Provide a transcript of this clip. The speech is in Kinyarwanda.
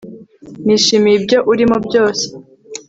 nishimiye ibyo urimo byose